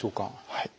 はい。